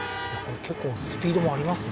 結構スピードもありますね。